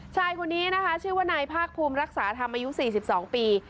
ชายคนนี้นะคะชื่อว่านายภาคภูมิรักษาธรรมอายุ๔๒ปี